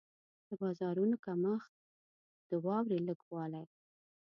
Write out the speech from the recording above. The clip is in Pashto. د بارانونو کمښت، د واورې لږ والی.